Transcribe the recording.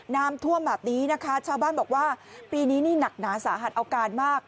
น้ำท่วมแบบนี้นะคะชาวบ้านบอกว่าปีนี้นี่หนักหนาสาหัสเอาการมาก